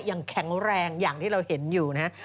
แข็งแรงอย่างที่เราเห็นอยู่นะฮะ